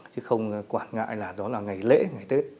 chứ không quản ngại là đó là ngày lễ ngày tết